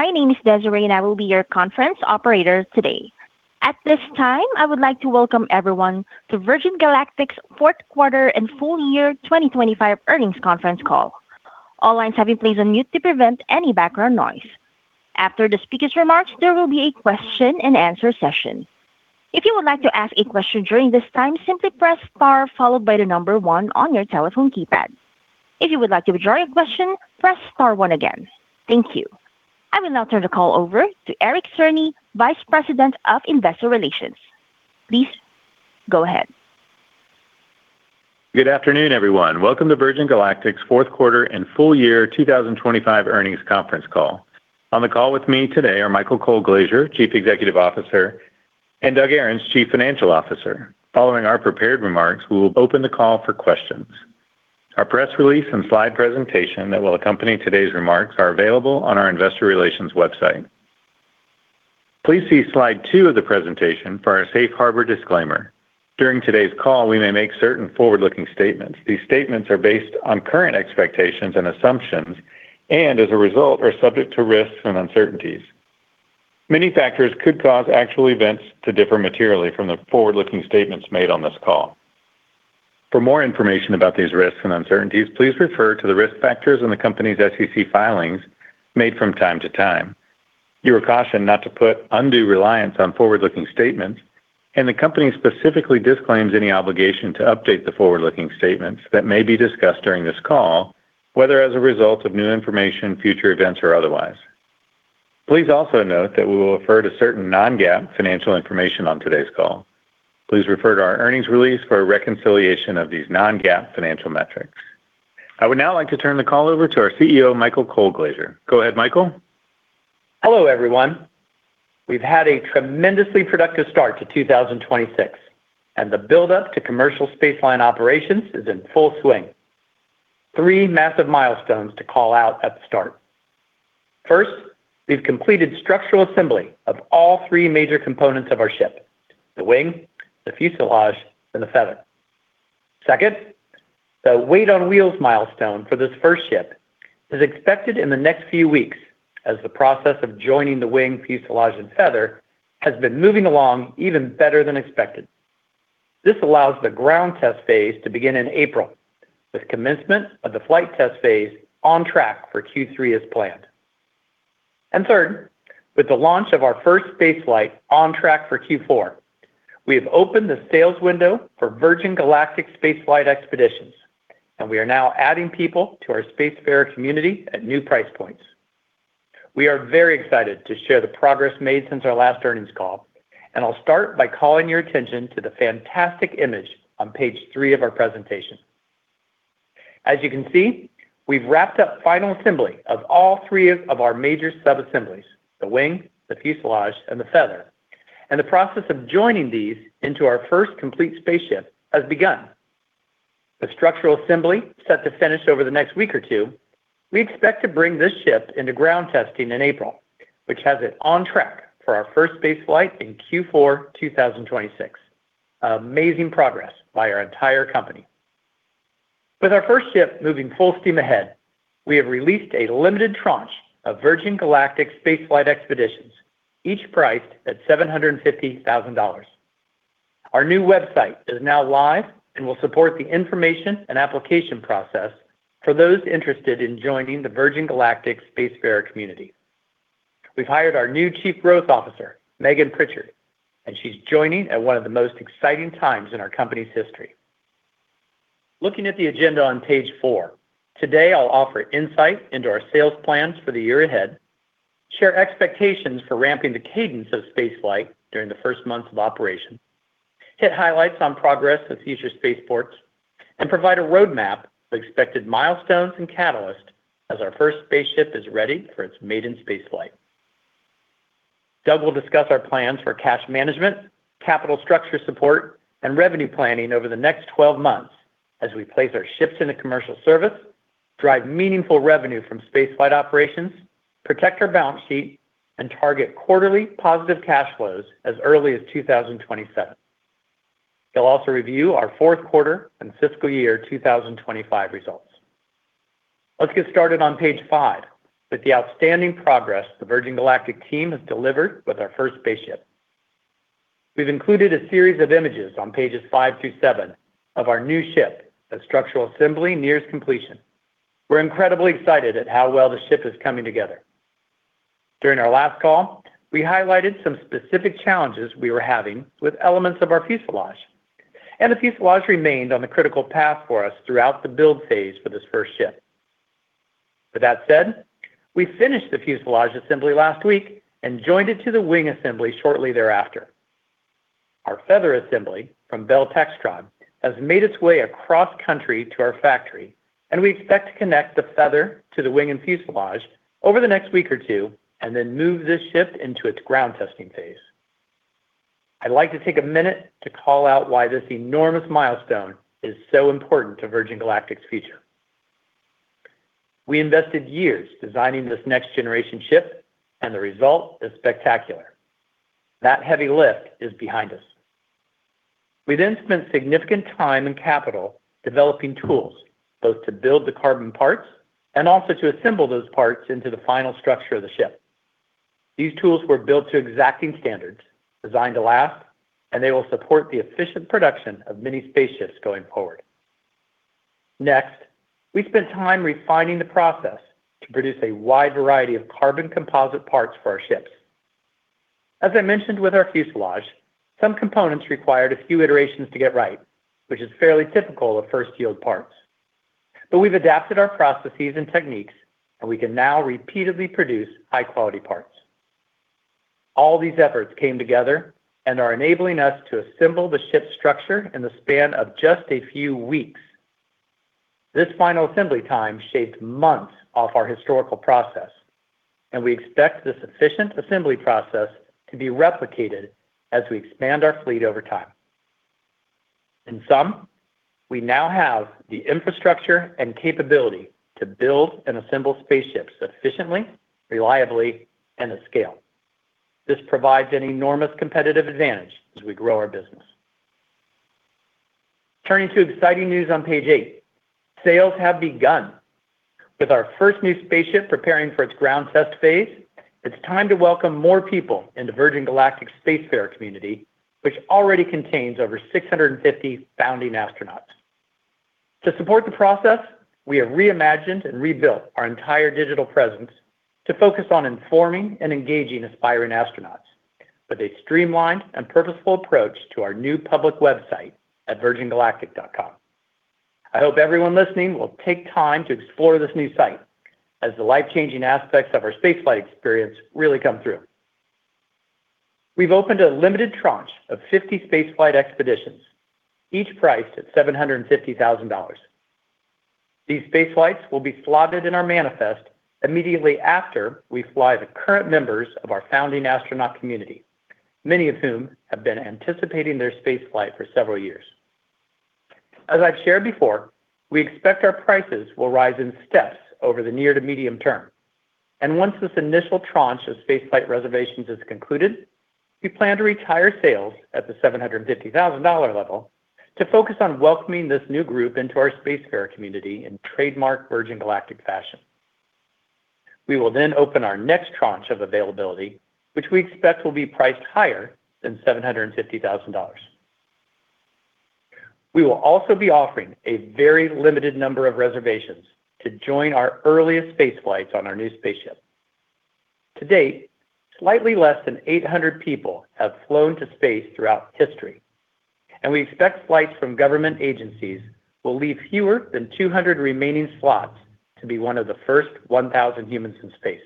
My name is Desiree, and I will be your conference operator today. At this time, I would like to welcome everyone to Virgin Galactic's fourth quarter and full-year 2025 earnings conference call. All lines have been placed on mute to prevent any background noise. After the speaker's remarks, there will be a question and answer session. If you would like to ask a question during this time, simply press star followed by the number one on your telephone keypad. If you would like to withdraw your question, press star one again. Thank you. I will now turn the call over to Eric Cerny, Vice President of Investor Relations. Please go ahead. Good afternoon, everyone. Welcome to Virgin Galactic's fourth quarter and full-year 2025 earnings conference call. On the call with me today are Michael Colglazier, Chief Executive Officer, and Doug Ahrens, Chief Financial Officer. Following our prepared remarks, we will open the call for questions. Our press release and slide presentation that will accompany today's remarks are available on our Investor Relations website. Please see slide two of the presentation for our Safe Harbor disclaimer. During today's call, we may make certain forward-looking statements. These statements are based on current expectations and assumptions, and as a result, are subject to risks and uncertainties. Many factors could cause actual events to differ materially from the forward-looking statements made on this call. For more information about these risks and uncertainties, please refer to the risk factors in the company's SEC filings made from time to time. You are cautioned not to put undue reliance on forward-looking statements, and the company specifically disclaims any obligation to update the forward-looking statements that may be discussed during this call, whether as a result of new information, future events, or otherwise. Please also note that we will refer to certain non-GAAP financial information on today's call. Please refer to our earnings release for a reconciliation of these non-GAAP financial metrics. I would now like to turn the call over to our CEO, Michael Colglazier. Go ahead, Michael. Hello, everyone. We've had a tremendously productive start to 2026, and the buildup to commercial spaceflight operations is in full swing. Three massive milestones to call out at the start. First, we've completed structural assembly of all three major components of our ship, the wing, the fuselage, and the feather. Second, the weight-on-wheels milestone for this first ship is expected in the next few weeks as the process of joining the wing, fuselage, and feather has been moving along even better than expected. This allows the ground test phase to begin in April, with commencement of the flight test phase on track for Q3 as planned. Third, with the launch of our first space flight on track for Q4, we have opened the sales window for Virgin Galactic space flight expeditions, and we are now adding people to our spacefarer community at new price points. We are very excited to share the progress made since our last earnings call, and I'll start by calling your attention to the fantastic image on page three of our presentation. As you can see, we've wrapped up final assembly of all three of our major sub-assemblies, the wing, the fuselage, and the feather, and the process of joining these into our first complete spaceship has begun. With structural assembly set to finish over the next week or two, we expect to bring this ship into ground testing in April, which has it on track for our first space flight in Q4 2026. Amazing progress by our entire company. With our first ship moving full steam ahead, we have released a limited tranche of Virgin Galactic space flight expeditions, each priced at $750,000. Our new website is now live and will support the information and application process for those interested in joining the Virgin Galactic spacefarer community. We've hired our new Chief Growth Officer, Megan Prichard, and she's joining at one of the most exciting times in our company's history. Looking at the agenda on page four, today I'll offer insight into our sales plans for the year ahead, share expectations for ramping the cadence of space flight during the first months of operation, hit highlights on progress with future spaceports, and provide a roadmap for expected milestones and catalysts as our first spaceship is ready for its maiden space flight. Doug will discuss our plans for cash management, capital structure support, and revenue planning over the next 12 months as we place our ships into commercial service, drive meaningful revenue from space flight operations, protect our balance sheet, and target quarterly positive cash flows as early as 2027. He'll also review our fourth quarter and fiscal year 2025 results. Let's get started on page five with the outstanding progress the Virgin Galactic team has delivered with our first spaceship. We've included a series of images on pages five through seven of our new ship as structural assembly nears completion. We're incredibly excited at how well the ship is coming together. During our last call, we highlighted some specific challenges we were having with elements of our fuselage, and the fuselage remained on the critical path for us throughout the build phase for this first ship. With that said, we finished the fuselage assembly last week and joined it to the wing assembly shortly thereafter. Our feather assembly from Bell Textron has made its way across the country to our factory, and we expect to connect the feather to the wing and fuselage over the next week or two, and then move this ship into its ground testing phase. I'd like to take a minute to call out why this enormous milestone is so important to Virgin Galactic's future. We invested years designing this next-generation ship, and the result is spectacular. That heavy lift is behind us. We then spent significant time and capital developing tools, both to build the carbon parts and also to assemble those parts into the final structure of the ship. These tools were built to exacting standards, designed to last, and they will support the efficient production of many spaceships going forward. Next, we spent time refining the process to produce a wide variety of carbon composite parts for our ships. As I mentioned with our fuselage, some components required a few iterations to get right, which is fairly typical of first yield parts. We've adapted our processes and techniques, and we can now repeatedly produce high-quality parts. All these efforts came together and are enabling us to assemble the ship's structure in the span of just a few weeks. This final assembly time shaved months off our historical process, and we expect this efficient assembly process to be replicated as we expand our fleet over time. In sum, we now have the infrastructure and capability to build and assemble spaceships efficiently, reliably, and at scale. This provides an enormous competitive advantage as we grow our business. Turning to exciting news on page eight, sales have begun. With our first new spaceship preparing for its ground test phase, it's time to welcome more people into Virgin Galactic spacefarer community, which already contains over 650 founding astronauts. To support the process, we have reimagined and rebuilt our entire digital presence to focus on informing and engaging aspiring astronauts with a streamlined and purposeful approach to our new public website at virgingalactic.com. I hope everyone listening will take time to explore this new site as the life-changing aspects of our space flight experience really come through. We've opened a limited tranche of 50 space flight expeditions, each priced at $750,000. These space flights will be slotted in our manifest immediately after we fly the current members of our founding astronaut community, many of whom have been anticipating their space flight for several years. As I've shared before, we expect our prices will rise in steps over the near to medium term, and once this initial tranche of space flight reservations is concluded, we plan to retire sales at the $750,000 level to focus on welcoming this new group into our spacefarer community in trademark Virgin Galactic fashion. We will then open our next tranche of availability, which we expect will be priced higher than $750,000. We will also be offering a very limited number of reservations to join our earliest space flights on our new spaceship. To date, slightly less than 800 people have flown to space throughout history, and we expect flights from government agencies will leave fewer than 200 remaining slots to be one of the first 1,000 humans in space.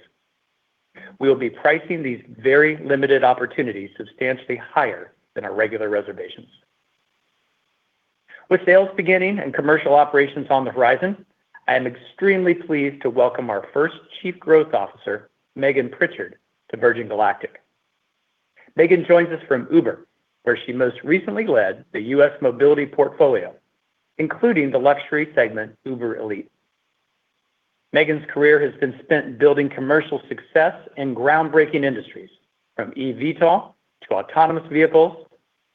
We will be pricing these very limited opportunities substantially higher than our regular reservations. With sales beginning and commercial operations on the horizon, I am extremely pleased to welcome our first Chief Growth Officer, Megan Prichard, to Virgin Galactic. Megan joins us from Uber, where she most recently led the U.S. mobility portfolio, including the luxury segment Uber Elite. Megan's career has been spent building commercial success in groundbreaking industries from eVTOL to autonomous vehicles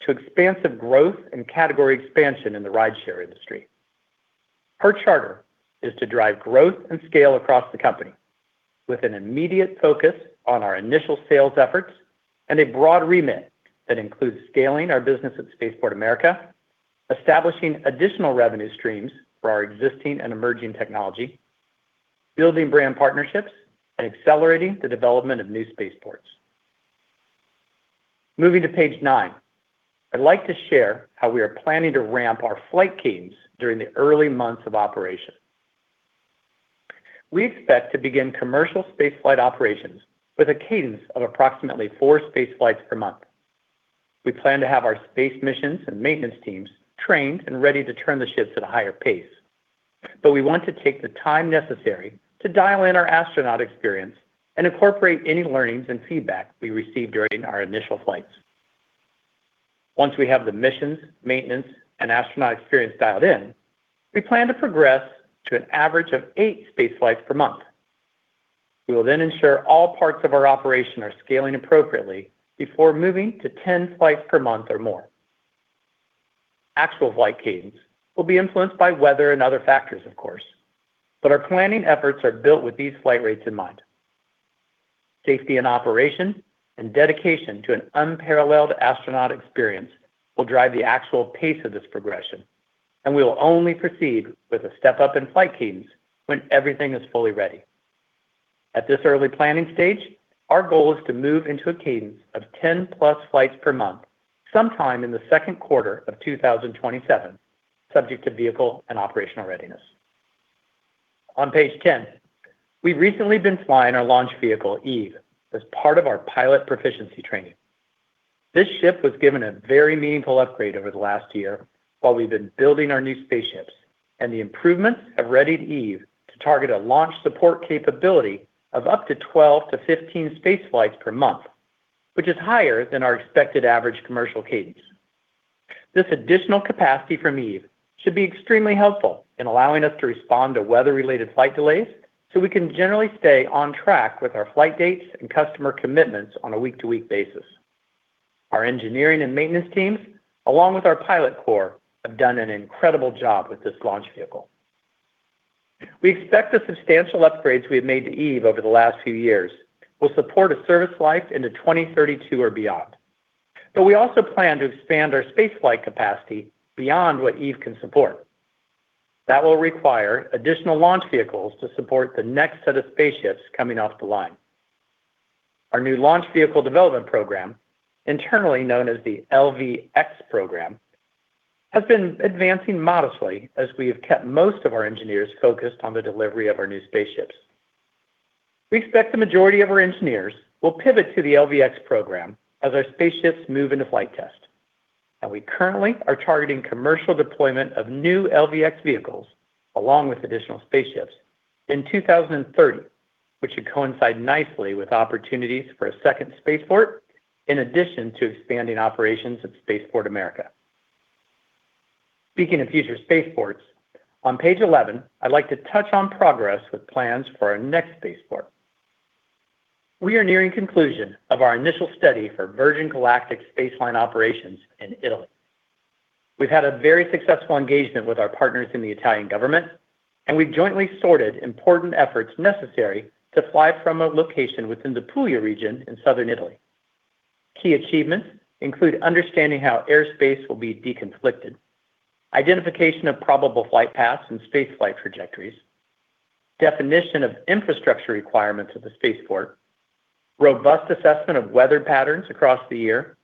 to expansive growth and category expansion in the rideshare industry. Her charter is to drive growth and scale across the company with an immediate focus on our initial sales efforts and a broad remit that includes scaling our business at Spaceport America, establishing additional revenue streams for our existing and emerging technology, building brand partnerships, and accelerating the development of new spaceports. Moving to page nine, I'd like to share how we are planning to ramp our flight cadence during the early months of operation. We expect to begin commercial space flight operations with a cadence of approximately four space flights per month. We plan to have our space missions and maintenance teams trained and ready to turn the ships at a higher pace, but we want to take the time necessary to dial in our astronaut experience and incorporate any learnings and feedback we receive during our initial flights. Once we have the missions, maintenance, and astronaut experience dialed in, we plan to progress to an average of eight space flights per month. We will then ensure all parts of our operation are scaling appropriately before moving to 10 flights per month or more. Actual flight cadence will be influenced by weather and other factors, of course, but our planning efforts are built with these flight rates in mind. Safety and operation and dedication to an unparalleled astronaut experience will drive the actual pace of this progression, and we will only proceed with a step up in flight cadence when everything is fully ready. At this early planning stage, our goal is to move into a cadence of 10+ flights per month sometime in the second quarter of 2027, subject to vehicle and operational readiness. On page 10, we've recently been flying our launch vehicle, Eve, as part of our pilot proficiency training. This ship was given a very meaningful upgrade over the last year while we've been building our new spaceships, and the improvements have readied Eve to target a launch support capability of up to 12-15 space flights per month, which is higher than our expected average commercial cadence. This additional capacity from Eve should be extremely helpful in allowing us to respond to weather-related flight delays, so we can generally stay on track with our flight dates and customer commitments on a week-to-week basis. Our engineering and maintenance teams, along with our pilot corps, have done an incredible job with this launch vehicle. We expect the substantial upgrades we have made to Eve over the last few years will support a service life into 2032 or beyond. We also plan to expand our space flight capacity beyond what Eve can support. That will require additional launch vehicles to support the next set of spaceships coming off the line. Our new launch vehicle development program, internally known as the LV-X program, has been advancing modestly as we have kept most of our engineers focused on the delivery of our new spaceships. We expect the majority of our engineers will pivot to the LV-X program as our spaceships move into flight test. We currently are targeting commercial deployment of new LV-X vehicles along with additional spaceships in 2030, which should coincide nicely with opportunities for a second spaceport in addition to expanding operations at Spaceport America. Speaking of future spaceports, on page 11, I'd like to touch on progress with plans for our next spaceport. We are nearing conclusion of our initial study for Virgin Galactic Spaceline operations in Italy. We've had a very successful engagement with our partners in the Italian government, and we've jointly sorted important efforts necessary to fly from a location within the Puglia region in southern Italy. Key achievements include understanding how airspace will be deconflicted, identification of probable flight paths and space flight trajectories, definition of infrastructure requirements of the spaceport, robust assessment of weather patterns across the year,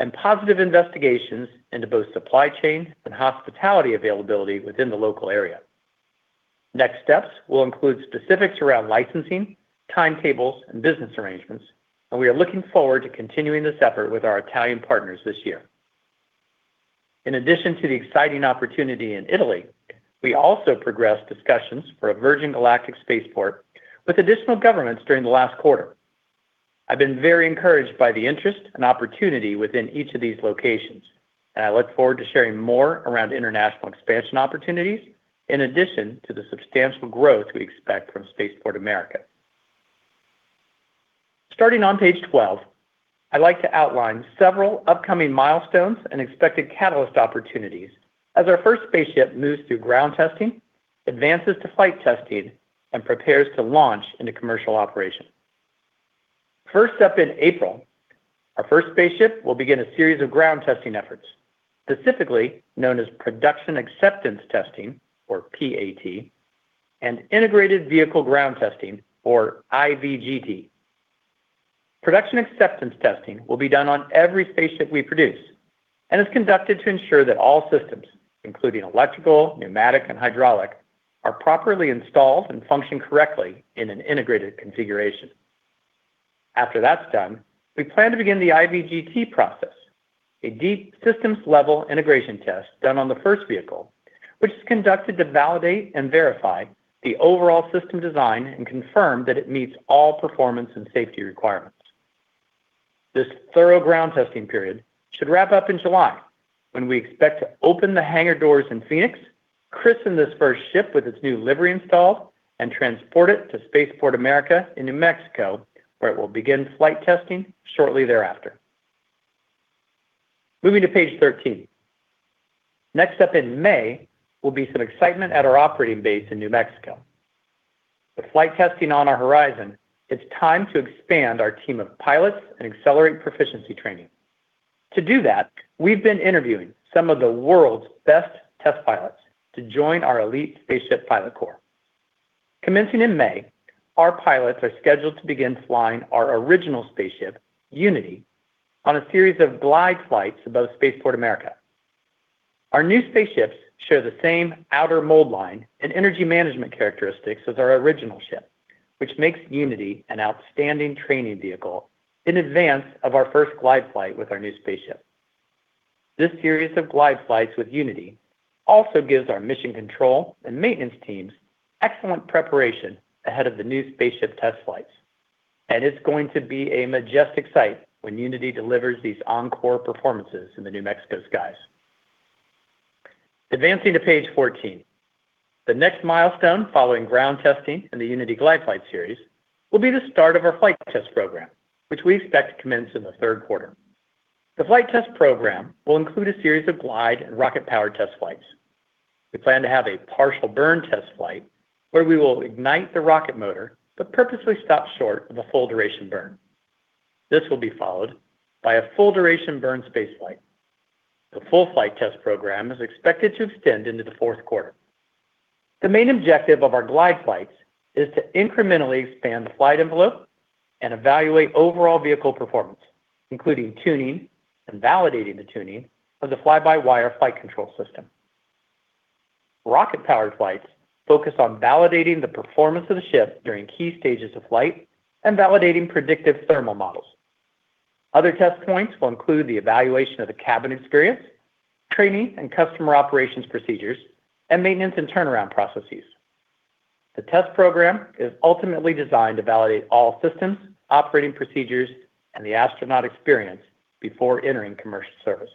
and positive investigations into both supply chain and hospitality availability within the local area. Next steps will include specifics around licensing, timetables, and business arrangements, and we are looking forward to continuing this effort with our Italian partners this year. In addition to the exciting opportunity in Italy, we also progressed discussions for a Virgin Galactic spaceport with additional governments during the last quarter. I've been very encouraged by the interest and opportunity within each of these locations, and I look forward to sharing more around international expansion opportunities in addition to the substantial growth we expect from Spaceport America. Starting on page 12, I'd like to outline several upcoming milestones and expected catalyst opportunities as our first spaceship moves through ground testing, advances to flight testing, and prepares to launch into commercial operation. First up in April, our first spaceship will begin a series of ground testing efforts, specifically known as production acceptance testing, or PAT, and integrated vehicle ground testing, or IVGT. Production acceptance testing will be done on every spaceship we produce and is conducted to ensure that all systems, including electrical, pneumatic, and hydraulic, are properly installed and function correctly in an integrated configuration. After that's done, we plan to begin the IVGT process, a deep systems-level integration test done on the first vehicle, which is conducted to validate and verify the overall system design and confirm that it meets all performance and safety requirements. This thorough ground testing period should wrap up in July when we expect to open the hangar doors in Phoenix, christen this first ship with its new livery installed, and transport it to Spaceport America in New Mexico, where it will begin flight testing shortly thereafter. Moving to page 13. Next up in May will be some excitement at our operating base in New Mexico. With flight testing on our horizon, it's time to expand our team of pilots and accelerate proficiency training. To do that, we've been interviewing some of the world's best test pilots to join our elite spaceship pilot corps. Commencing in May, our pilots are scheduled to begin flying our original spaceship, Unity, on a series of glide flights above Spaceport America. Our new spaceships share the same outer mold line and energy management characteristics as our original ship, which makes Unity an outstanding training vehicle in advance of our first glide flight with our new spaceship. This series of glide flights with Unity also gives our mission control and maintenance teams excellent preparation ahead of the new spaceship test flights. It's going to be a majestic sight when Unity delivers these encore performances in the New Mexico skies. Advancing to page 14. The next milestone following ground testing and the Unity glide flight series will be the start of our flight test program, which we expect to commence in the third quarter. The flight test program will include a series of glide and rocket-powered test flights. We plan to have a partial burn test flight where we will ignite the rocket motor but purposely stop short of a full-duration burn. This will be followed by a full-duration burn space flight. The full flight test program is expected to extend into the fourth quarter. The main objective of our glide flights is to incrementally expand the flight envelope and evaluate overall vehicle performance, including tuning and validating the tuning of the fly-by-wire flight control system. Rocket-powered flights focus on validating the performance of the ship during key stages of flight and validating predictive thermal models. Other test points will include the evaluation of the cabin experience, training and customer operations procedures, and maintenance and turnaround processes. The test program is ultimately designed to validate all systems, operating procedures, and the astronaut experience before entering commercial service.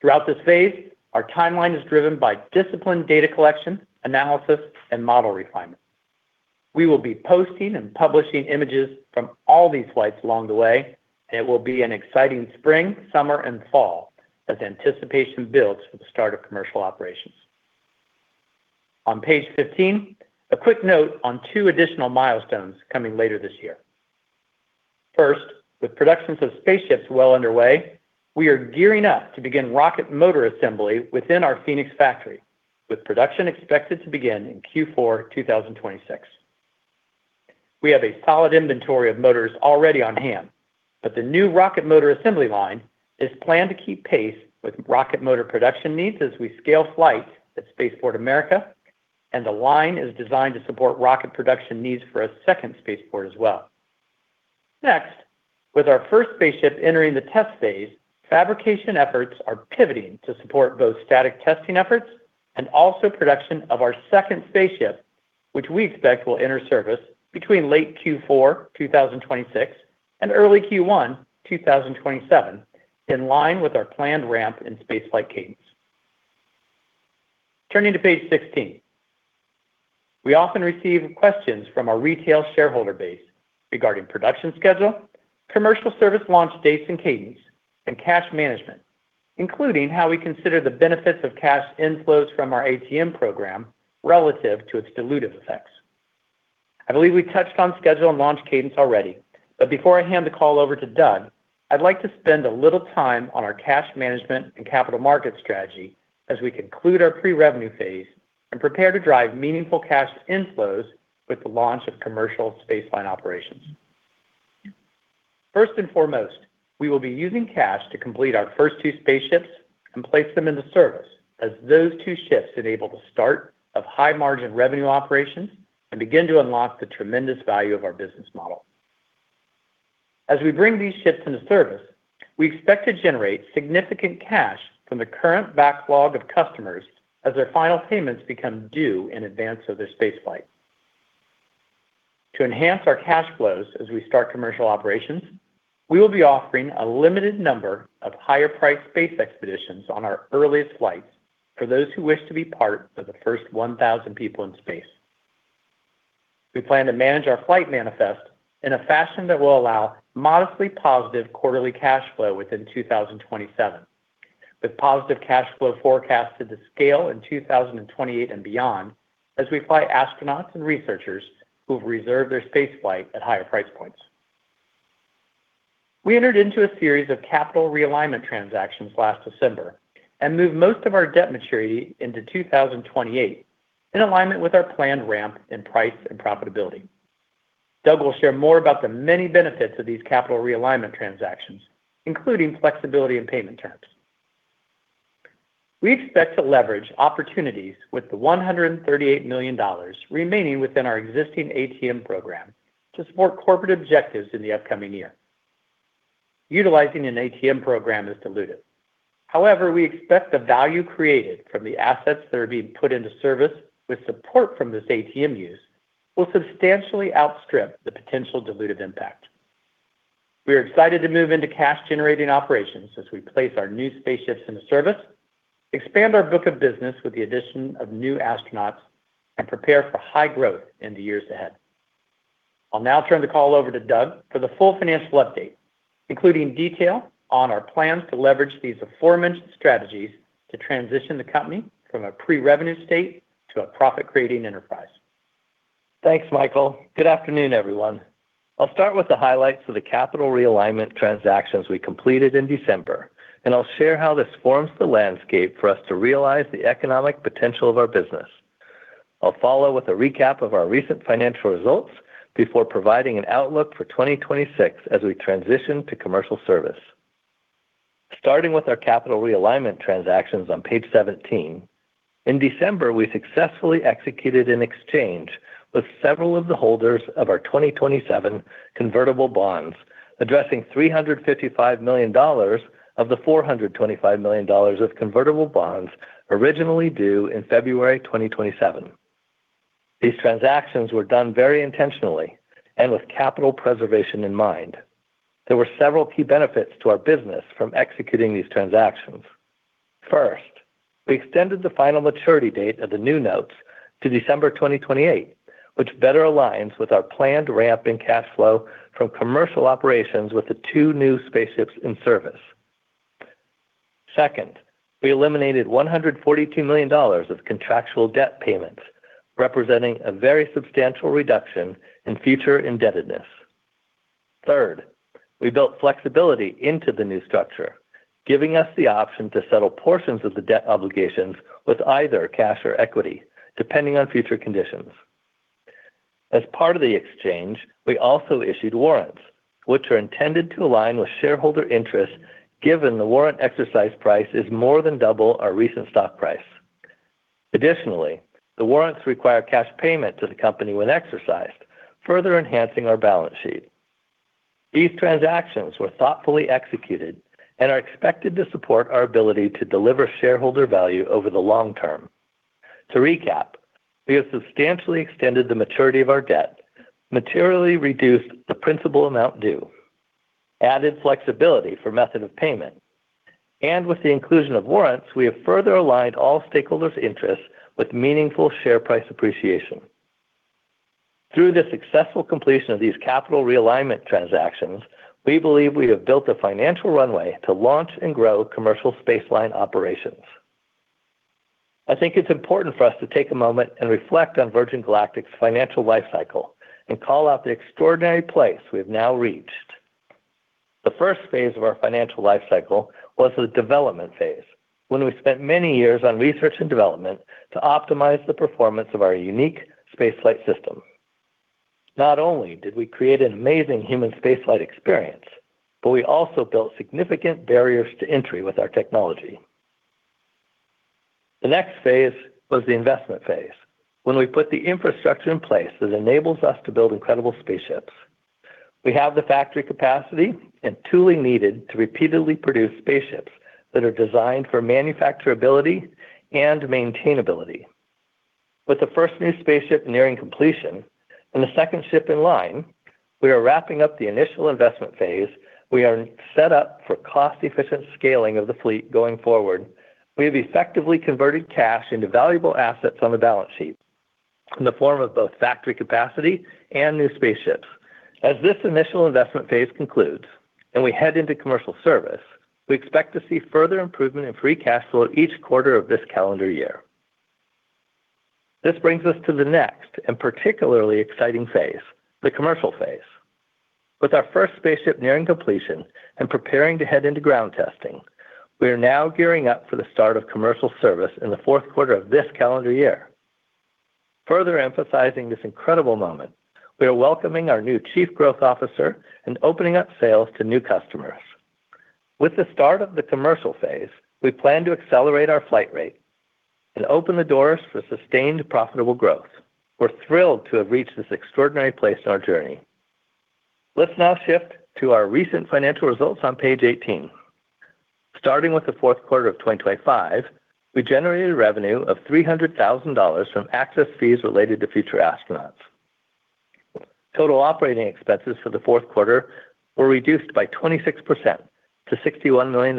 Throughout this phase, our timeline is driven by disciplined data collection, analysis, and model refinement. We will be posting and publishing images from all these flights along the way, and it will be an exciting spring, summer, and fall as anticipation builds for the start of commercial operations. On page 15, a quick note on two additional milestones coming later this year. First, with production of spaceships well underway, we are gearing up to begin rocket motor assembly within our Phoenix factory, with production expected to begin in Q4 2026. We have a solid inventory of motors already on hand, but the new rocket motor assembly line is planned to keep pace with rocket motor production needs as we scale flight at Spaceport America, and the line is designed to support rocket production needs for a second spaceport as well. Next, with our first spaceship entering the test phase, fabrication efforts are pivoting to support both static testing efforts and also production of our second spaceship, which we expect will enter service between late Q4 2026 and early Q1 2027 in line with our planned ramp in spaceflight cadence. Turning to page 16. We often receive questions from our retail shareholder base regarding production schedule, commercial service launch dates and cadence, and cash management, including how we consider the benefits of cash inflows from our ATM program relative to its dilutive effects. I believe we touched on schedule and launch cadence already, but before I hand the call over to Doug, I'd like to spend a little time on our cash management and capital market strategy as we conclude our pre-revenue phase and prepare to drive meaningful cash inflows with the launch of commercial spaceflight operations. First and foremost, we will be using cash to complete our first two spaceships and place them into service as those two ships enable the start of high-margin revenue operations and begin to unlock the tremendous value of our business model. As we bring these ships into service, we expect to generate significant cash from the current backlog of customers as their final payments become due in advance of their spaceflight. To enhance our cash flows as we start commercial operations, we will be offering a limited number of higher-priced space expeditions on our earliest flights for those who wish to be part of the first 1,000 people in space. We plan to manage our flight manifest in a fashion that will allow modestly positive quarterly cash flow within 2027, with positive cash flow forecasted to scale in 2028 and beyond as we fly astronauts and researchers who have reserved their spaceflight at higher price points. We entered into a series of capital realignment transactions last December and moved most of our debt maturity into 2028 in alignment with our planned ramp in price and profitability. Doug will share more about the many benefits of these capital realignment transactions, including flexibility in payment terms. We expect to leverage opportunities with the $138 million remaining within our existing ATM program to support corporate objectives in the upcoming year. Utilizing an ATM program is dilutive. However, we expect the value created from the assets that are being put into service with support from this ATM use will substantially outstrip the potential dilutive impact. We are excited to move into cash-generating operations as we place our new spaceships into service, expand our book of business with the addition of new astronauts, and prepare for high growth in the years ahead. I'll now turn the call over to Doug for the full financial update, including detail on our plans to leverage these aforementioned strategies to transition the company from a pre-revenue state to a profit-creating enterprise. Thanks, Michael. Good afternoon, everyone. I'll start with the highlights of the capital realignment transactions we completed in December, and I'll share how this forms the landscape for us to realize the economic potential of our business. I'll follow with a recap of our recent financial results before providing an outlook for 2026 as we transition to commercial service. Starting with our capital realignment transactions on page 17. In December, we successfully executed an exchange with several of the holders of our 2027 convertible bonds, addressing $355 million of the $425 million of convertible bonds originally due in February 2027. These transactions were done very intentionally and with capital preservation in mind. There were several key benefits to our business from executing these transactions. First, we extended the final maturity date of the new notes to December 2028, which better aligns with our planned ramp in cash flow from commercial operations with the two new spaceships in service. Second, we eliminated $142 million of contractual debt payments, representing a very substantial reduction in future indebtedness. Third, we built flexibility into the new structure, giving us the option to settle portions of the debt obligations with either cash or equity, depending on future conditions. As part of the exchange, we also issued warrants, which are intended to align with shareholder interest given the warrant exercise price is more than double our recent stock price. Additionally, the warrants require cash payment to the company when exercised, further enhancing our balance sheet. These transactions were thoughtfully executed and are expected to support our ability to deliver shareholder value over the long term. To recap, we have substantially extended the maturity of our debt, materially reduced the principal amount due, added flexibility for method of payment, and with the inclusion of warrants, we have further aligned all stakeholders' interests with meaningful share price appreciation. Through the successful completion of these capital realignment transactions, we believe we have built a financial runway to launch and grow commercial Spaceline operations. I think it's important for us to take a moment and reflect on Virgin Galactic's financial life cycle and call out the extraordinary place we have now reached. The first phase of our financial life cycle was the development phase, when we spent many years on research and development to optimize the performance of our unique space flight system. Not only did we create an amazing human space flight experience, but we also built significant barriers to entry with our technology. The next phase was the investment phase, when we put the infrastructure in place that enables us to build incredible spaceships. We have the factory capacity and tooling needed to repeatedly produce spaceships that are designed for manufacturability and maintainability. With the first new spaceship nearing completion and the second ship in line, we are wrapping up the initial investment phase. We are set up for cost-efficient scaling of the fleet going forward. We have effectively converted cash into valuable assets on the balance sheet in the form of both factory capacity and new spaceships. As this initial investment phase concludes and we head into commercial service, we expect to see further improvement in free cash flow each quarter of this calendar year. This brings us to the next and particularly exciting phase, the commercial phase. With our first spaceship nearing completion and preparing to head into ground testing, we are now gearing up for the start of commercial service in the fourth quarter of this calendar year. Further emphasizing this incredible moment, we are welcoming our new Chief Growth Officer and opening up sales to new customers. With the start of the commercial phase, we plan to accelerate our flight rate and open the doors for sustained profitable growth. We're thrilled to have reached this extraordinary place in our journey. Let's now shift to our recent financial results on page 18. Starting with the fourth quarter of 2025, we generated revenue of $300,000 from access fees related to future astronauts. Total operating expenses for the fourth quarter were reduced by 26% to $61 million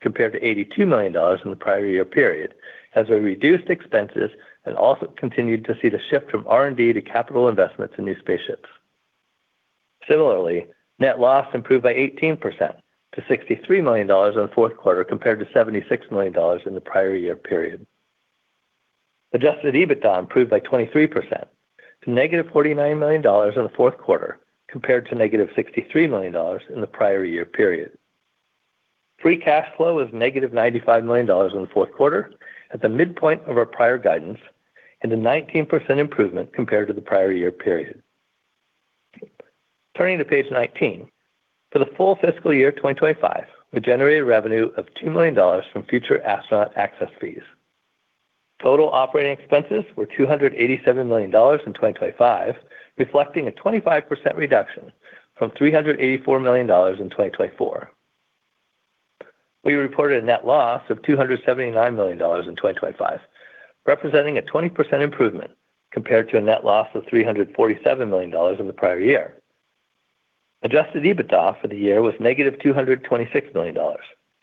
compared to $82 million in the prior year period as we reduced expenses and also continued to see the shift from R&D to capital investments in new spaceships. Similarly, net loss improved by 18% to $63 million in the fourth quarter compared to $76 million in the prior year period. Adjusted EBITDA improved by 23% to -$49 million in the fourth quarter compared to -$63 million in the prior year period. Free cash flow was -$95 million in the fourth quarter at the midpoint of our prior guidance and a 19% improvement compared to the prior year period. Turning to page 19, for the full fiscal year 2025, we generated revenue of $2 million from future astronaut access fees. Total operating expenses were $287 million in 2025, reflecting a 25% reduction from $384 million in 2024. We reported a net loss of $279 million in 2025, representing a 20% improvement compared to a net loss of $347 million in the prior year. Adjusted EBITDA for the year was -$226 million,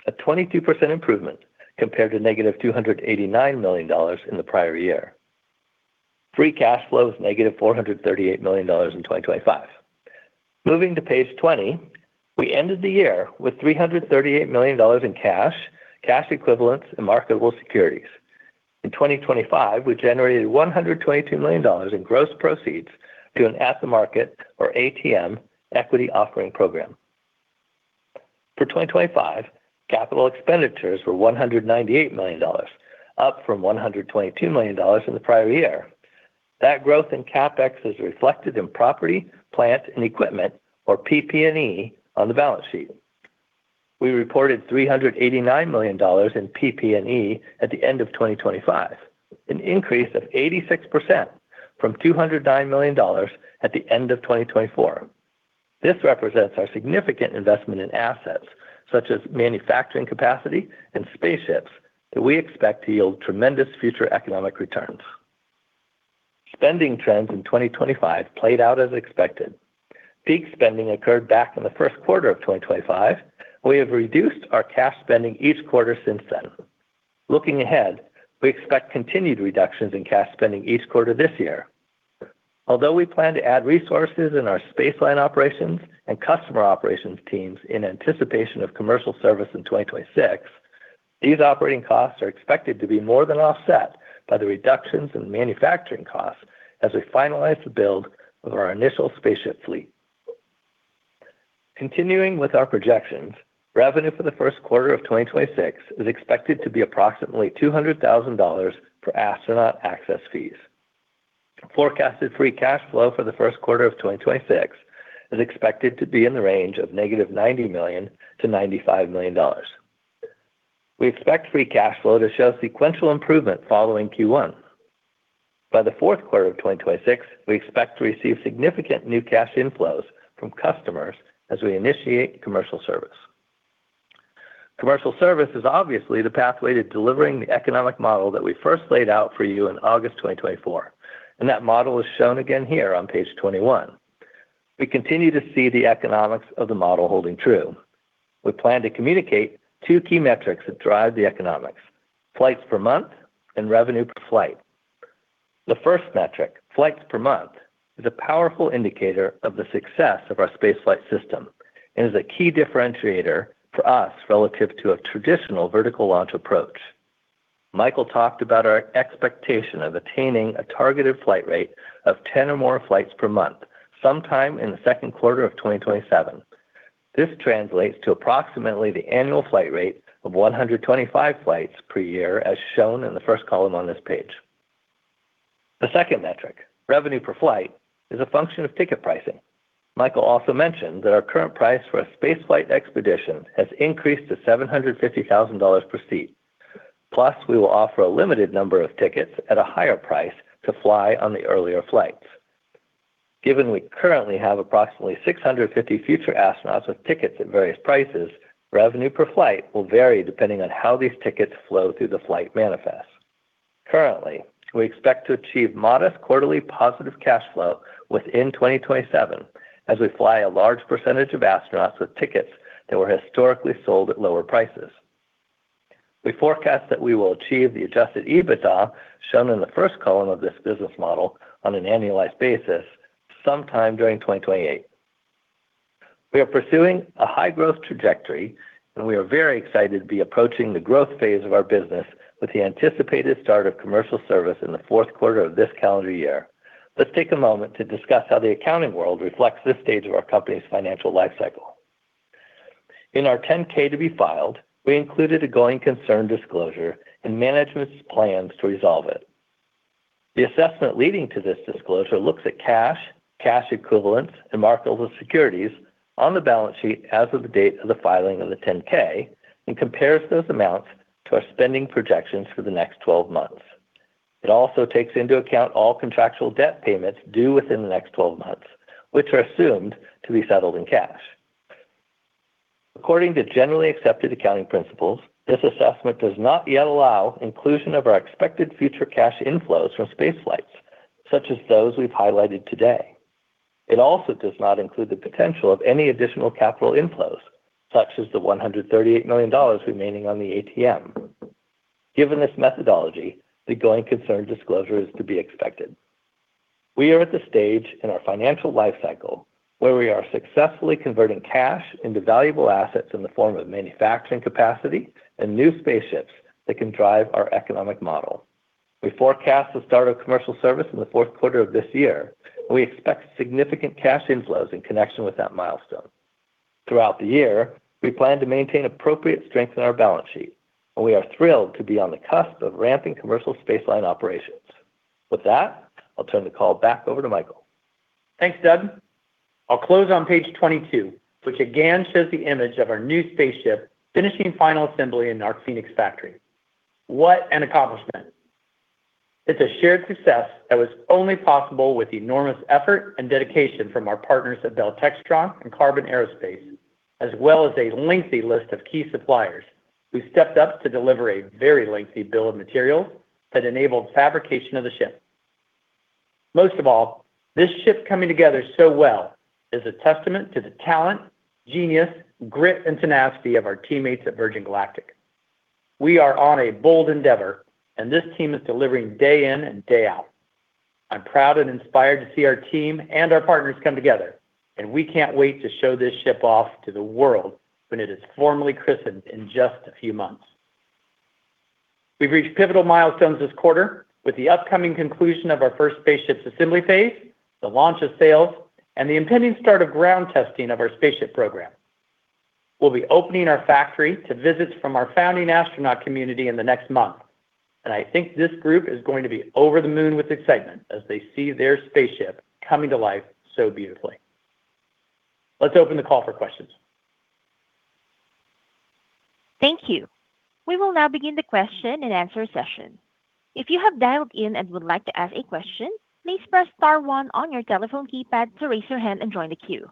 a 22% improvement compared to -$289 million in the prior year. Free cash flow was -$438 million in 2025. Moving to page 20, we ended the year with $338 million in cash equivalents, and marketable securities. In 2025, we generated $122 million in gross proceeds through an at-the-market, or ATM, equity offering program. For 2025, capital expenditures were $198 million, up from $122 million in the prior year. That growth in CapEx is reflected in property, plant, and equipment, or PP&E, on the balance sheet. We reported $389 million in PP&E at the end of 2025, an increase of 86% from $209 million at the end of 2024. This represents our significant investment in assets such as manufacturing capacity and spaceships that we expect to yield tremendous future economic returns. Spending trends in 2025 played out as expected. Peak spending occurred back in the first quarter of 2025. We have reduced our cash spending each quarter since then. Looking ahead, we expect continued reductions in cash spending each quarter this year. Although we plan to add resources in our space line operations and customer operations teams in anticipation of commercial service in 2026, these operating costs are expected to be more than offset by the reductions in manufacturing costs as we finalize the build of our initial spaceship fleet. Continuing with our projections, revenue for the first quarter of 2026 is expected to be approximately $200,000 for astronaut access fees. Forecasted free cash flow for the first quarter of 2026 is expected to be in the range of -$90 million to -$95 million. We expect free cash flow to show sequential improvement following Q1. By the fourth quarter of 2026, we expect to receive significant new cash inflows from customers as we initiate commercial service. Commercial service is obviously the pathway to delivering the economic model that we first laid out for you in August 2024, and that model is shown again here on page 21. We continue to see the economics of the model holding true. We plan to communicate two key metrics that drive the economics, flights per month and revenue per flight. The first metric, flights per month, is a powerful indicator of the success of our space flight system and is a key differentiator for us relative to a traditional vertical launch approach. Michael talked about our expectation of attaining a targeted flight rate of 10 or more flights per month sometime in the second quarter of 2027. This translates to approximately the annual flight rate of 125 flights per year, as shown in the first column on this page. The second metric, revenue per flight, is a function of ticket pricing. Michael also mentioned that our current price for a space flight expedition has increased to $750,000 per seat. Plus, we will offer a limited number of tickets at a higher price to fly on the earlier flights. Given we currently have approximately 650 future astronauts with tickets at various prices, revenue per flight will vary depending on how these tickets flow through the flight manifest. Currently, we expect to achieve modest quarterly positive cash flow within 2027 as we fly a large percentage of astronauts with tickets that were historically sold at lower prices. We forecast that we will achieve the Adjusted EBITDA shown in the first column of this business model on an annualized basis sometime during 2028. We are pursuing a high growth trajectory, and we are very excited to be approaching the growth phase of our business with the anticipated start of commercial service in the fourth quarter of this calendar year. Let's take a moment to discuss how the accounting world reflects this stage of our company's financial life cycle. In our 10-K to be filed, we included a going concern disclosure and management's plans to resolve it. The assessment leading to this disclosure looks at cash equivalents, and marketable securities on the balance sheet as of the date of the filing of the 10-K and compares those amounts to our spending projections for the next 12 months. It also takes into account all contractual debt payments due within the next 12 months, which are assumed to be settled in cash. According to generally accepted accounting principles, this assessment does not yet allow inclusion of our expected future cash inflows from space flights, such as those we've highlighted today. It also does not include the potential of any additional capital inflows, such as the $138 million remaining on the ATM. Given this methodology, the going concern disclosure is to be expected. We are at the stage in our financial life cycle where we are successfully converting cash into valuable assets in the form of manufacturing capacity and new spaceships that can drive our economic model. We forecast the start of commercial service in the fourth quarter of this year. We expect significant cash inflows in connection with that milestone. Throughout the year, we plan to maintain appropriate strength in our balance sheet, and we are thrilled to be on the cusp of ramping commercial spaceflight operations. With that, I'll turn the call back over to Michael. Thanks, Doug. I'll close on page 22, which again shows the image of our new spaceship finishing final assembly in our Phoenix factory. What an accomplishment. It's a shared success that was only possible with the enormous effort and dedication from our partners at Bell Textron and Qarbon Aerospace, as well as a lengthy list of key suppliers who stepped up to deliver a very lengthy bill of material that enabled fabrication of the ship. Most of all, this ship coming together so well is a testament to the talent, genius, grit, and tenacity of our teammates at Virgin Galactic. We are on a bold endeavor, and this team is delivering day in and day out. I'm proud and inspired to see our team and our partners come together, and we can't wait to show this ship off to the world when it is formally christened in just a few months. We've reached pivotal milestones this quarter with the upcoming conclusion of our first spaceship's assembly phase, the launch of sales, and the impending start of ground testing of our spaceship program. We'll be opening our factory to visits from our founding astronaut community in the next month, and I think this group is going to be over the moon with excitement as they see their spaceship coming to life so beautifully. Let's open the call for questions. Thank you. We will now begin the question and answer session. If you have dialed in and would like to ask a question, please press star one on your telephone keypad to raise your hand and join the queue.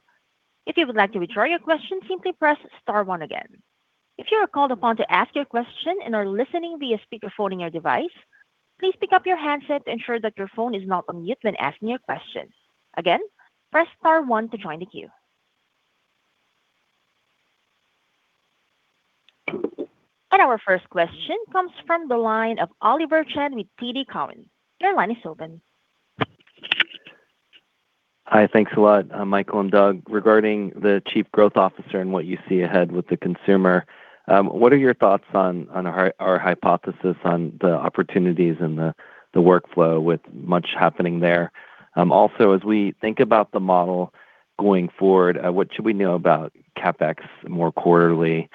If you would like to withdraw your question, simply press star one again. If you are called upon to ask your question and are listening via speakerphone in your device, please pick up your handset to ensure that your phone is not on mute when asking your question. Again, press star one to join the queue. Our first question comes from the line of Oliver Chen with TD Cowen. Your line is open. Hi. Thanks a lot, Michael and Doug. Regarding the Chief Growth Officer and what you see ahead with the consumer, what are your thoughts on our hypothesis on the opportunities and the workflow with much happening there? Also, as we think about the model going forward, what should we know about CapEx more quarterly?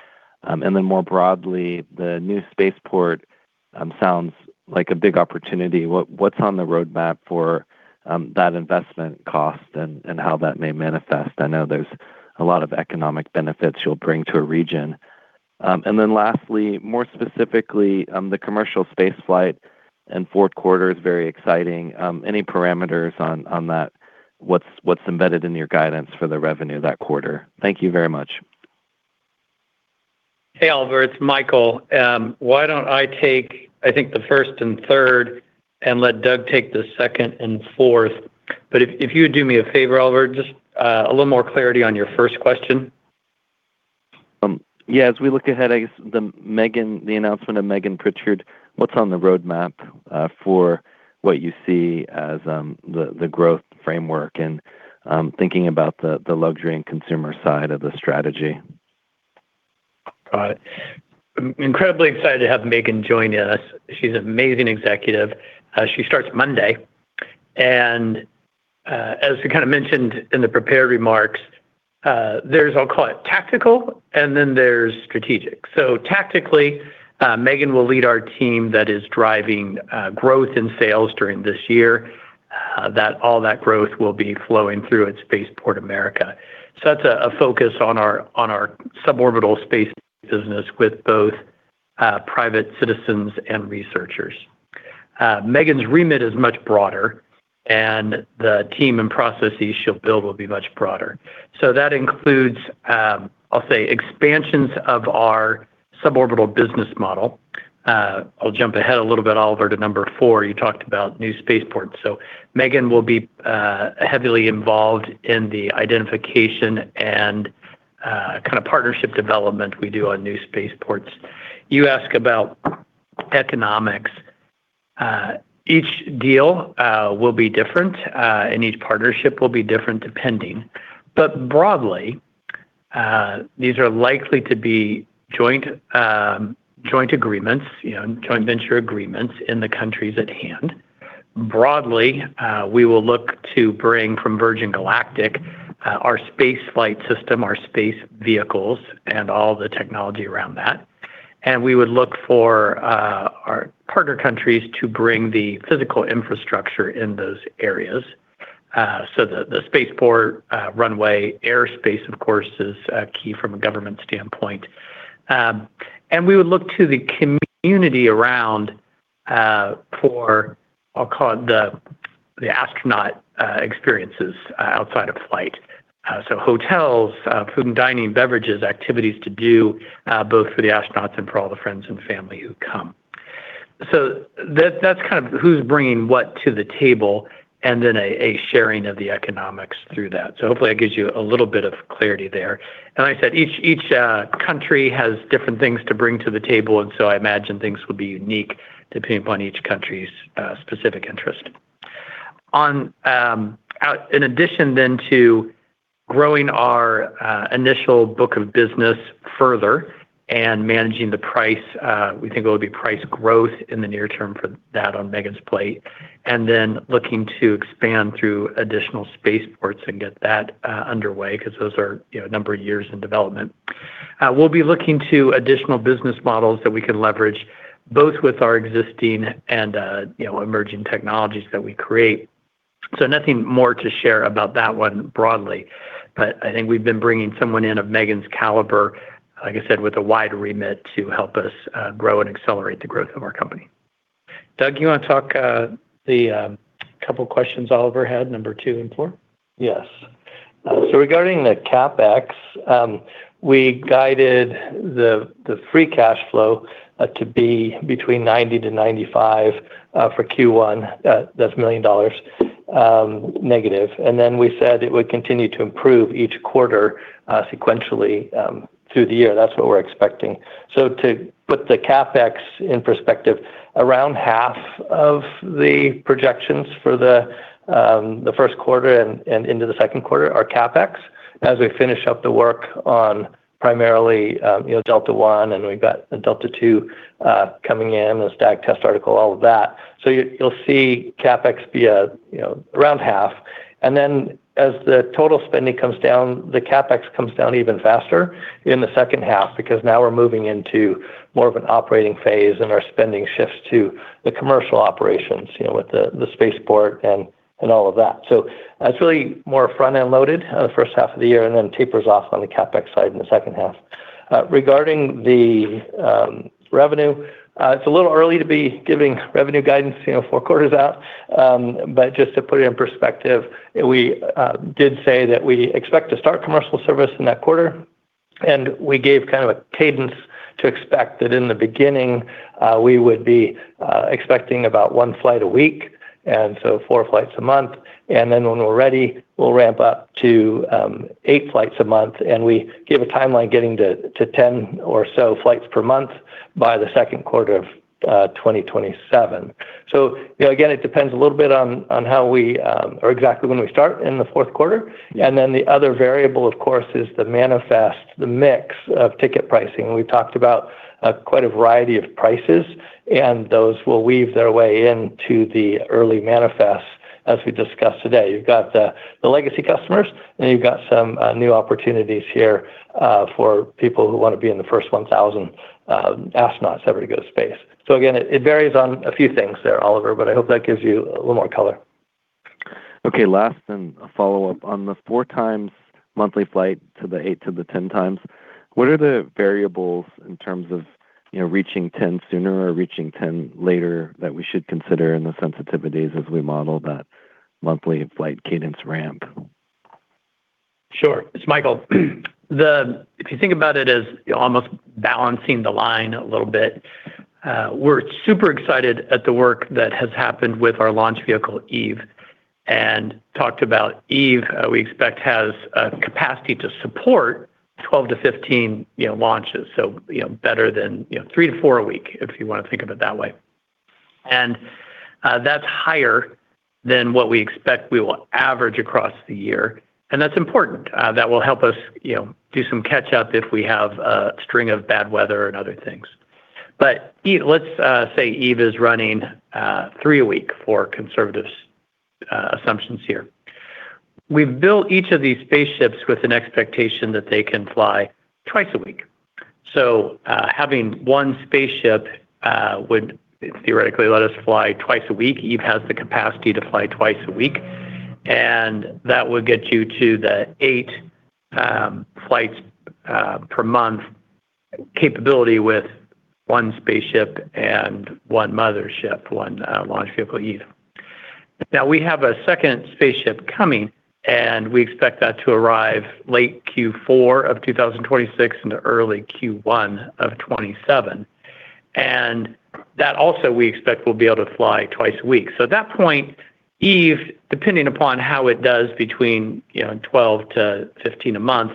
And then more broadly, the new spaceport sounds like a big opportunity. What's on the roadmap for that investment cost and how that may manifest? I know there's a lot of economic benefits you'll bring to a region. And then lastly, more specifically, the commercial spaceflight and fourth quarter is very exciting. Any parameters on that? What's embedded in your guidance for the revenue that quarter? Thank you very much. Hey, Oliver, it's Michael. Why don't I take, I think, the first and third and let Doug take the second and fourth. If you would do me a favor, Oliver, just a little more clarity on your first question. Yeah, as we look ahead, I guess, the announcement of Megan Prichard, what's on the roadmap for what you see as the growth framework and thinking about the luxury and consumer side of the strategy? Got it. I'm incredibly excited to have Megan join us. She's an amazing executive. She starts Monday. As we kinda mentioned in the prepared remarks, there's, I'll call it tactical, and then there's strategic. Tactically, Megan will lead our team that is driving growth in sales during this year, that all that growth will be flowing through its Spaceport America. That's a focus on our suborbital space business with both private citizens and researchers. Megan's remit is much broader, and the team and processes she'll build will be much broader. That includes, I'll say expansions of our suborbital business model. I'll jump ahead a little bit, Oliver, to number four, you talked about new spaceports. Megan will be heavily involved in the identification and kind of partnership development we do on new spaceports. You ask about economics. Each deal will be different, and each partnership will be different depending. But broadly, these are likely to be joint venture agreements, you know, in the countries at hand. Broadly, we will look to bring from Virgin Galactic our space flight system, our space vehicles, and all the technology around that. We would look for our partner countries to bring the physical infrastructure in those areas. The spaceport, runway, airspace, of course, is key from a government standpoint. We would look to the community around for, I'll call it the astronaut experiences outside of flight. Hotels, food and dining, beverages, activities to do, both for the astronauts and for all the friends and family who come. That's kind of who's bringing what to the table and then a sharing of the economics through that. Hopefully that gives you a little bit of clarity there. Like I said, each country has different things to bring to the table, and so I imagine things will be unique depending upon each country's specific interest. In addition then to growing our initial book of business further and managing the price, we think it would be price growth in the near term for that on Megan's plate, and then looking to expand through additional spaceports and get that underway because those are, you know, a number of years in development. We'll be looking to additional business models that we can leverage both with our existing and, you know, emerging technologies that we create. Nothing more to share about that one broadly, but I think we've been bringing someone in of Megan's caliber, like I said, with a wide remit to help us grow and accelerate the growth of our company. Doug, you wanna talk about the couple questions Oliver had, number two and four? Yes. Regarding the CapEx, we guided the free cash flow to be between -$90 million and -$95 million for Q1. We said it would continue to improve each quarter sequentially through the year. That's what we're expecting. To put the CapEx in perspective, around half of the projections for the first quarter and into the second quarter are CapEx. As we finish up the work on primarily you know Delta One, and we've got Delta Two coming in, the static test article, all of that. You'll see CapEx be you know around half. As the total spending comes down, the CapEx comes down even faster in the second half because now we're moving into more of an operating phase and our spending shifts to the commercial operations, you know, with the spaceport and all of that. That's really more front-end loaded, the first half of the year and then tapers off on the CapEx side in the second half. Regarding the revenue, it's a little early to be giving revenue guidance, you know, four quarters out, but just to put it in perspective, we did say that we expect to start commercial service in that quarter, and we gave kind of a cadence to expect that in the beginning, we would be expecting about one flight a week, and so four flights a month, and then when we're ready, we'll ramp up to eight flights a month, and we give a timeline getting to ten or so flights per month by the second quarter of 2027. You know, again, it depends a little bit on how we or exactly when we start in the fourth quarter. Then the other variable, of course, is the manifest, the mix of ticket pricing. We've talked about quite a variety of prices, and those will weave their way into the early manifest. As we discussed today, you've got the legacy customers, and you've got some new opportunities here for people who want to be in the first 1,000 astronauts ever to go to space. Again, it varies on a few things there, Oliver, but I hope that gives you a little more color. Okay, last and a follow-up. On the four times monthly flight to the eight to the 10 times, what are the variables in terms of reaching 10 sooner or reaching 10 later that we should consider in the sensitivities as we model that monthly flight cadence ramp? Sure. It's Michael. If you think about it as almost balancing the line a little bit, we're super excited at the work that has happened with our launch vehicle Eve and talked about Eve we expect has a capacity to support 12-15 launches. Better than three to four a week, if you want to think of it that way. That's higher than what we expect we will average across the year. That's important. That will help us do some catch up if we have a string of bad weather and other things. Let's say Eve is running three a week for conservative assumptions here. We've built each of these spaceships with an expectation that they can fly twice a week. Having one spaceship would theoretically let us fly twice a week. Eve has the capacity to fly twice a week. That would get you to the eight flights per month capability with one spaceship and one mothership, one launch vehicle Eve. Now we have a second spaceship coming and we expect that to arrive late Q4 of 2026 into early Q1 of 2027. That also we expect will be able to fly twice a week. At that point, Eve, depending upon how it does between 12-15 a month,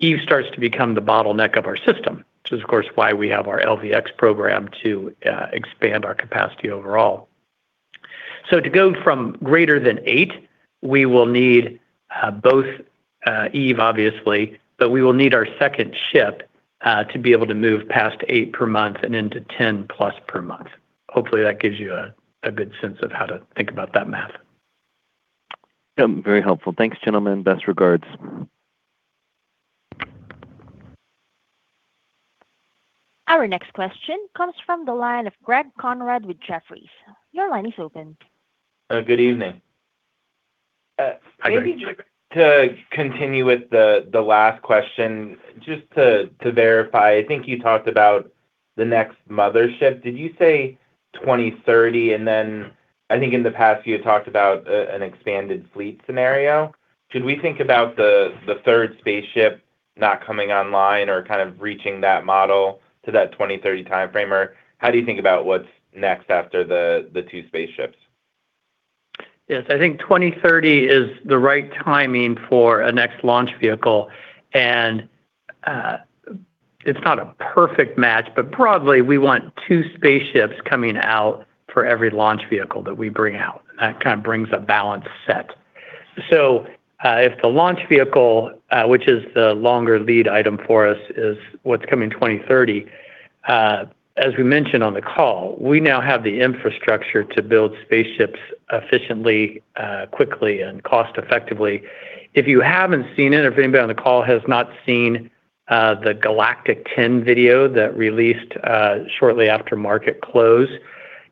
Eve starts to become the bottleneck of our system, which is of course why we have our LV-X program to expand our capacity overall. To go from greater than eight, we will need both Eve obviously, but we will need our second ship to be able to move past eight per month and into 10+ per month. Hopefully that gives you a good sense of how to think about that math. Very helpful. Thanks, gentlemen. Best regards. Our next question comes from the line of Greg Konrad with Jefferies. Your line is open. Good evening. Hi, Greg. Maybe just to continue with the last question, just to verify, I think you talked about the next mothership. Did you say 2030? Then I think in the past you had talked about an expanded fleet scenario. Should we think about the third spaceship not coming online or kind of reaching that model to that 2030 timeframe? Or how do you think about what's next after the two spaceships? Yes, I think 2030 is the right timing for a next launch vehicle. It's not a perfect match, but broadly we want two spaceships coming out for every launch vehicle that we bring out. That kind of brings a balanced set. If the launch vehicle, which is the longer lead item for us is what's coming 2030, as we mentioned on the call, we now have the infrastructure to build spaceships efficiently, quickly, and cost-effectively. If you haven't seen it, or if anybody on the call has not seen the Galactic 10 video that released shortly after market close,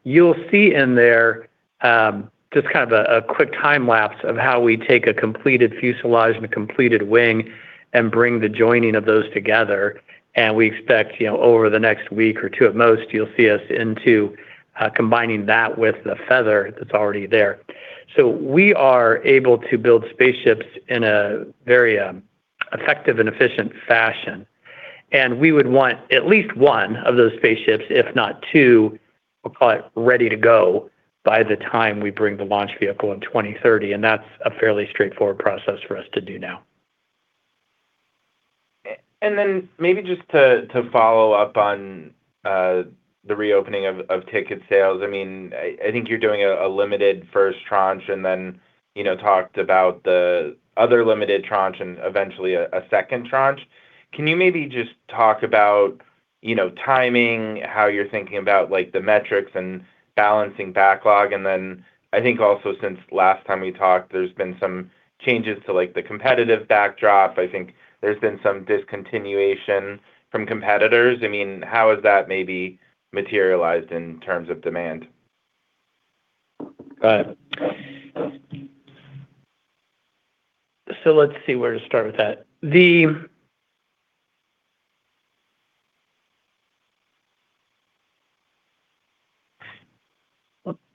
you'll see in there just kind of a quick time lapse of how we take a completed fuselage and a completed wing and bring the joining of those together. We expect over the next week or two at most, you'll see us into combining that with the feather that's already there. We are able to build spaceships in a very effective and efficient fashion. We would want at least one of those spaceships, if not two, we'll call it ready to go by the time we bring the launch vehicle in 2030. That's a fairly straightforward process for us to do now. Maybe just to follow up on the reopening of ticket sales. I mean, I think you're doing a limited first tranche and then talked about the other limited tranche and eventually a second tranche. Can you maybe just talk about timing, how you're thinking about the metrics and balancing backlog? I think also since last time we talked, there's been some changes to the competitive backdrop. I mean, how has that maybe materialized in terms of demand? Go ahead. Let's see where to start with that.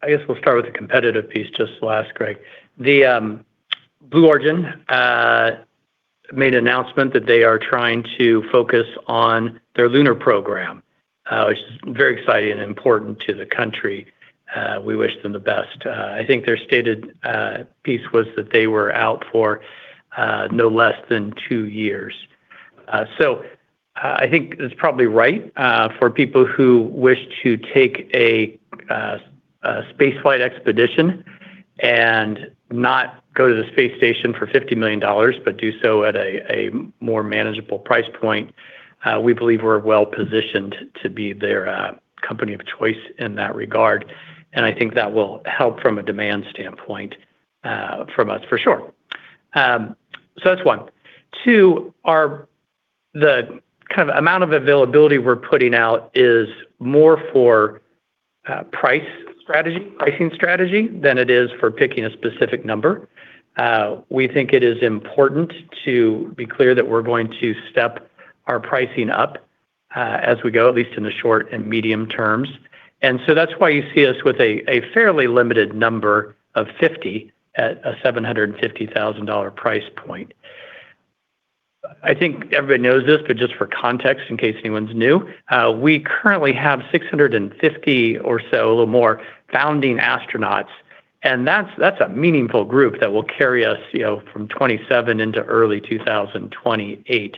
I guess we'll start with the competitive piece just to ask Greg. Blue Origin made an announcement that they are trying to focus on their lunar program, which is very exciting and important to the country. We wish them the best. I think their stated piece was that they were out for no less than two years. I think it's probably right for people who wish to take a space flight expedition and not go to the space station for $50 million, but do so at a more manageable price point. We believe we're well-positioned to be their company of choice in that regard, and I think that will help from a demand standpoint from us for sure. That's one. Two, the kind of amount of availability we're putting out is more for price strategy, pricing strategy than it is for picking a specific number. We think it is important to be clear that we're going to step our pricing up as we go, at least in the short and medium terms. That's why you see us with a fairly limited number of 50 at a $750,000 price point. I think everybody knows this, but just for context, in case anyone's new, we currently have 650 or so, a little more, founding astronauts, and that's a meaningful group that will carry us from 2027 into early 2028.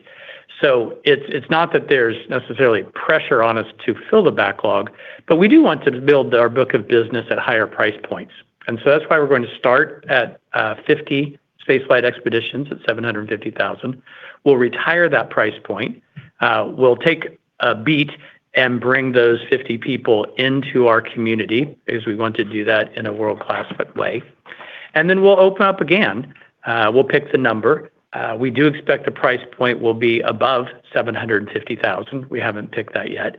It's not that there's necessarily pressure on us to fill the backlog, but we do want to build our book of business at higher price points. That's why we're going to start at 50 spaceflight expeditions at $750,000. We'll retire that price point. We'll take a beat and bring those 50 people into our community because we want to do that in a world-class way. We'll open up again. We'll pick the number. We do expect the price point will be above $750,000. We haven't picked that yet.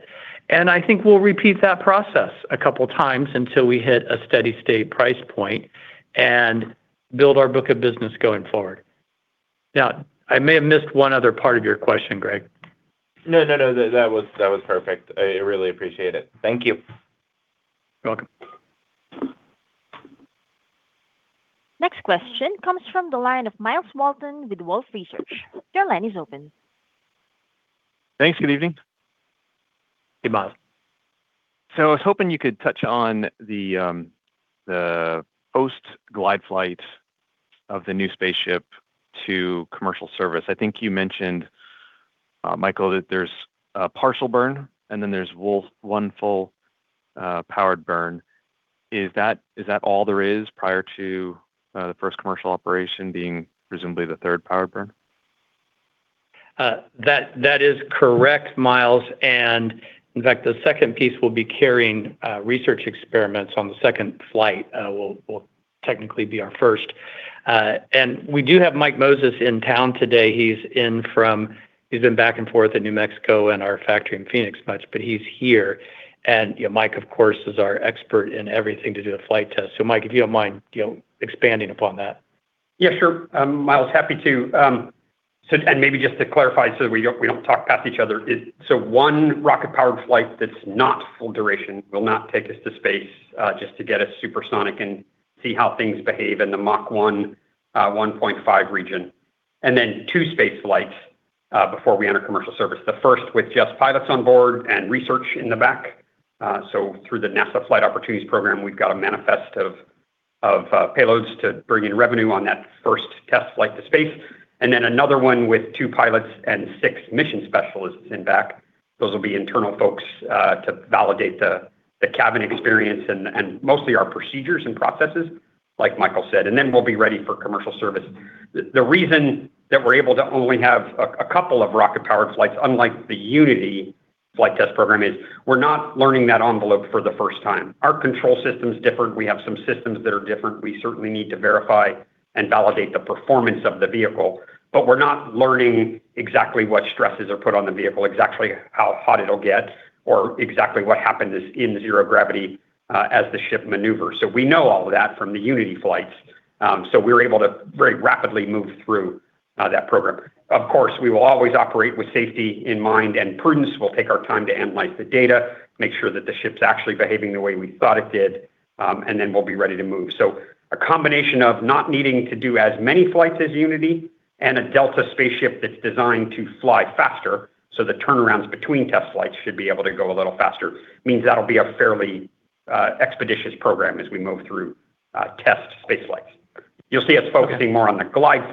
I think we'll repeat that process a couple of times until we hit a steady state price point and build our book of business going forward. Now, I may have missed one other part of your question, Greg. No, no. That was perfect. I really appreciate it. Thank you. You're welcome. Next question comes from the line of Myles Walton with Wolfe Research. Your line is open. Thanks. Good evening. Hey, Myles. I was hoping you could touch on the post-glide flight of the new spaceship to commercial service. I think you mentioned, Michael, that there's a partial burn and then there's one full powered burn. Is that all there is prior to the first commercial operation being presumably the third powered burn? That is correct, Myles. In fact, the second piece will be carrying research experiments on the second flight. It will technically be our first. We do have Mike Moses in town today. He's in from—he's been back and forth in New Mexico and our factory in Phoenix much, but he's here. Mike, of course, is our expert in everything to do with flight tests. Mike, if you don't mind expanding upon that. Yeah, sure. Myles, happy to. Maybe just to clarify so we don't talk past each other. One rocket-powered flight that's not full duration will not take us to space just to get us supersonic and see how things behave in the Mach 1.5 region. Then two space flights before we enter commercial service, the first with just pilots on board and research in the back. Through the NASA Flight Opportunities program, we've got a manifest of payloads to bring in revenue on that first test flight to space. Then another one with two pilots and six mission specialists in back. Those will be internal folks to validate the cabin experience and mostly our procedures and processes, like Michael said. Then we'll be ready for commercial service. The reason that we're able to only have a couple of rocket-powered flights, unlike the Unity flight test program, is we're not learning that envelope for the first time. Our control system is different. We have some systems that are different. We certainly need to verify and validate the performance of the vehicle. We're not learning exactly what stresses are put on the vehicle, exactly how hot it'll get or exactly what happens in zero gravity as the ship maneuvers. We know all of that from the Unity flights. We're able to very rapidly move through that program. Of course, we will always operate with safety in mind and prudence. We'll take our time to analyze the data, make sure that the ship's actually behaving the way we thought it did, and then we'll be ready to move. A combination of not needing to do as many flights as Unity and a Delta spaceship that's designed to fly faster, so the turnarounds between test flights should be able to go a little faster, means that'll be a fairly expeditious program as we move through test space flights. You'll see us focusing more on the glide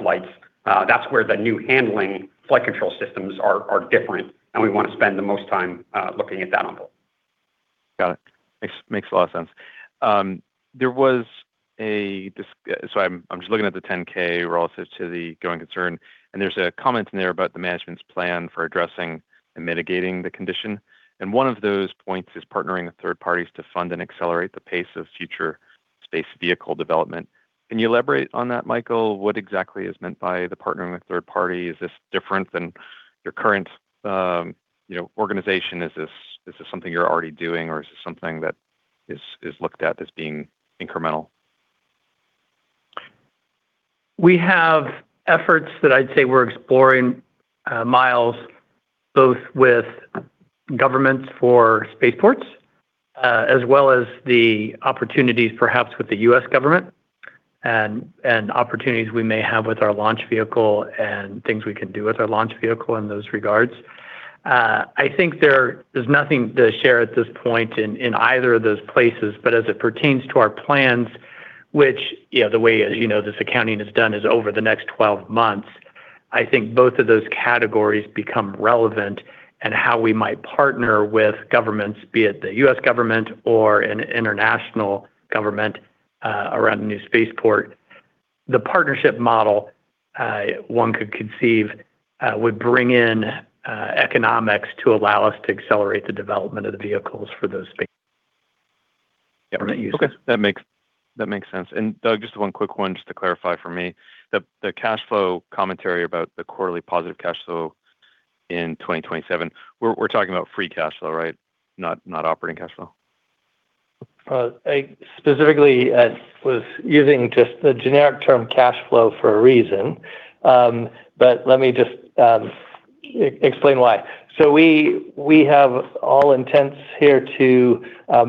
flights. That's where the new handling flight control systems are different, and we want to spend the most time looking at that envelope. Got it. Makes a lot of sense. I'm just looking at the 10-K relative to the going concern, and there's a comment in there about the management's plan for addressing and mitigating the condition. One of those points is partnering with third parties to fund and accelerate the pace of future space vehicle development. Can you elaborate on that, Michael? What exactly is meant by the partnering with third party? Is this different than your current organization? Is this something you're already doing or is this something that is looked at as being incremental? We have efforts that I'd say we're exploring, Myles, both with governments for spaceports as well as the opportunities perhaps with the U.S. government and opportunities we may have with our launch vehicle and things we can do with our launch vehicle in those regards. I think there's nothing to share at this point in either of those places. As it pertains to our plans, which the way this accounting is done is over the next 12 months, I think both of those categories become relevant and how we might partner with governments, be it the U.S. government or an international government around a new spaceport. The partnership model, one could conceive, would bring in economics to allow us to accelerate the development of the vehicles for those. Yeah. Okay. That makes sense. Doug, just one quick one just to clarify for me. The cash flow commentary about the quarterly positive cash flow in 2027, we're talking about free cash flow, right? Not operating cash flow. I specifically was using just the generic term cash flow for a reason, but let me just explain why. We have all intents here to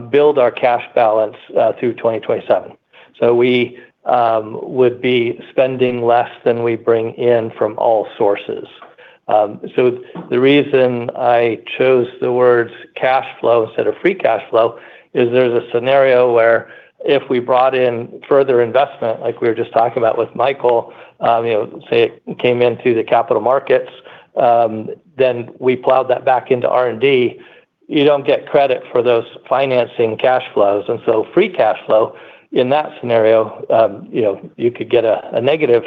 build our cash balance through 2027. We would be spending less than we bring in from all sources. The reason I chose the words cash flow instead of free cash flow is there's a scenario where if we brought in further investment, like we were just talking about with Michael, you know, say it came into the capital markets, then we plowed that back into R&D, you don't get credit for those financing cash flows. Free cash flow in that scenario, you know, you could get a negative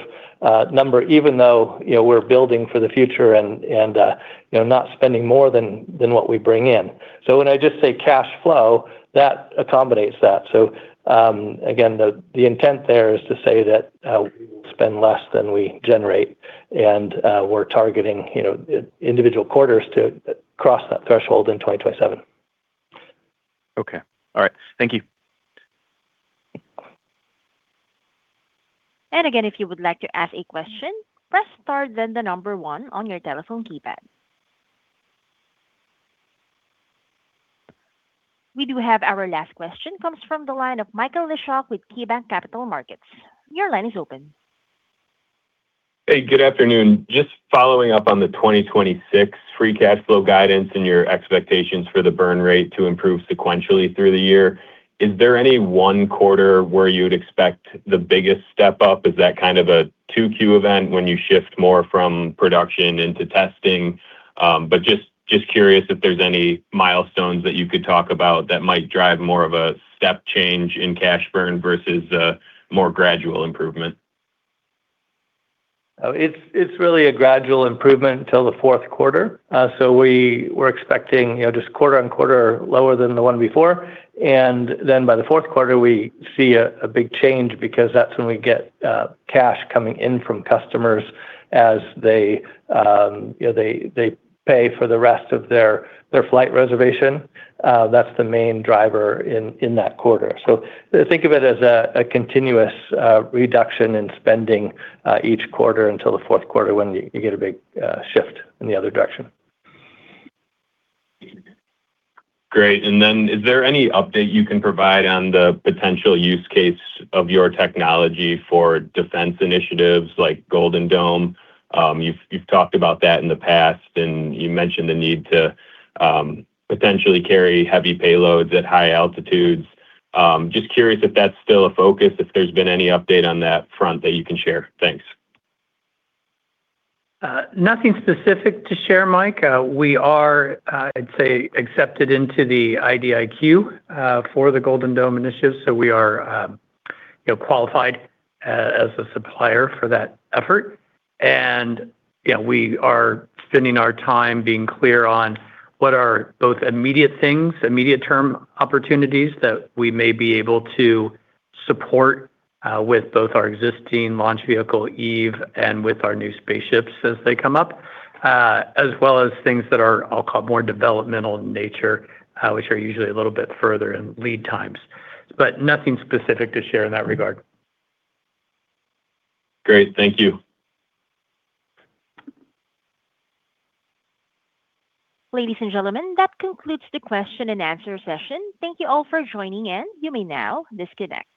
number even though, you know, we're building for the future and, you know, not spending more than what we bring in. When I just say cash flow, that accommodates that. Again, the intent there is to say that we will spend less than we generate, and we're targeting, you know, individual quarters to cross that threshold in 2027. Okay. All right. Thank you. Again, if you would like to ask a question, press star then the number one on your telephone keypad. We do have our last question comes from the line of Michael Leshock with KeyBanc Capital Markets. Your line is open. Hey, good afternoon. Just following up on the 2026 free cash flow guidance and your expectations for the burn rate to improve sequentially through the year, is there any one quarter where you'd expect the biggest step up? Is that kind of a 2Q event when you shift more from production into testing? But just curious if there's any milestones that you could talk about that might drive more of a step change in cash burn versus a more gradual improvement. It's really a gradual improvement till the fourth quarter. We were expecting, you know, just quarter-over-quarter lower than the one before. By the fourth quarter we see a big change because that's when we get cash coming in from customers as they, you know, pay for the rest of their flight reservation. That's the main driver in that quarter. Think of it as a continuous reduction in spending each quarter until the fourth quarter when you get a big shift in the other direction. Great. Is there any update you can provide on the potential use case of your technology for defense initiatives like Golden Dome? You've talked about that in the past, and you mentioned the need to potentially carry heavy payloads at high altitudes. Just curious if that's still a focus, if there's been any update on that front that you can share. Thanks. Nothing specific to share, Mike. We are, I'd say accepted into the IDIQ for the Golden Dome initiative, so we are, you know, qualified as a supplier for that effort. You know, we are spending our time being clear on what are both immediate things, immediate term opportunities that we may be able to support with both our existing launch vehicle Eve and with our new spaceships as they come up, as well as things that are, I'll call more developmental in nature, which are usually a little bit further in lead times. Nothing specific to share in that regard. Great. Thank you. Ladies and gentlemen, that concludes the question and answer session. Thank you all for joining in. You may now disconnect.